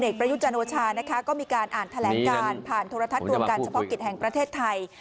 ก็มีการอ่านแถลงการผ่านโทรทัศน์กรุงการเฉพาะกิจแห่งประเทศไทย